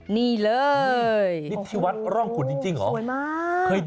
นี่เลยนี่ที่วัดร่องขุนจริงเหรอสวยมาก